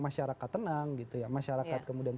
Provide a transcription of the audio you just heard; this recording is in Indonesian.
masyarakat tenang gitu ya masyarakat kemudian